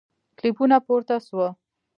کلیپونه پورته سوه